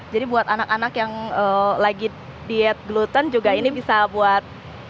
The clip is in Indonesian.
buat anak anak yang lagi diet gluten juga ini bisa buat